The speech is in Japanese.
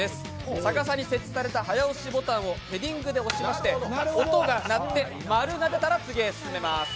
逆さに設置された早押しボタンをヘディングで押しまして音が鳴って、○が出たら先に進めます。